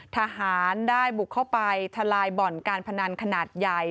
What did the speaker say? ทหารได้บุกเข้าไปทลายบ่อนการพนันขนาดใหญ่